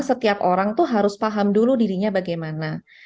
setiap orang tuh harus paham dulu dirinya bagaimana